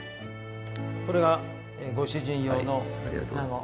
これがご主人用のアナゴ。